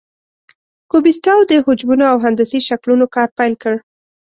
کوبیسټاو د حجمونو او هندسي شکلونو کار پیل کړ.